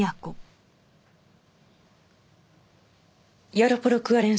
ヤロポロク・アレン